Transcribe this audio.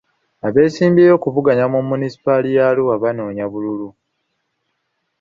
Abeesimbyewo okuvuganya mu Munisipaali ya Arua banoonya bululu.